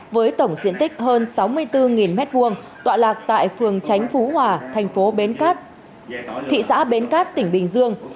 với tổng diện tích hơn sáu mươi bốn m hai tọa lạc tại phường tránh phú hòa tp bến cát thị xã bến cát tỉnh bình dương